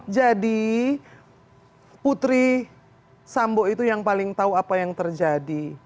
jadi putri sambo itu yang paling tahu apa yang terjadi